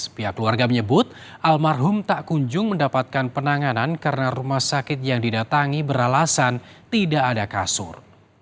pihak keluarga menyebut almarhum tak kunjung mendapatkan penanganan karena rumah sakit yang didatangi beralasan tidak ada kasur